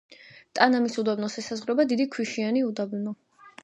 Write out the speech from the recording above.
ტანამის უდაბნოს ესაზღვრება დიდი ქვიშიანი უდაბნო.